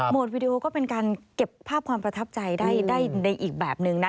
วิดีโอก็เป็นการเก็บภาพความประทับใจได้ในอีกแบบนึงนะ